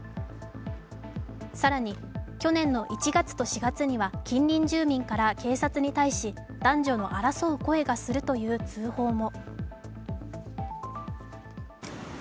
更に去年の１月と４月には近隣住民から警察に対し男女の争う声がするという通報も。